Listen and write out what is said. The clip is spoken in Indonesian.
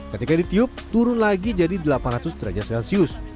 ketika ditiup turun lagi jadi delapan ratus derajat celcius